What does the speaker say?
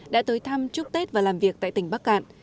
đã tới thăm chúc tết và làm việc tại tỉnh bắc cạn